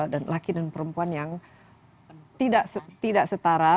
dan laki dan perempuan yang tidak setara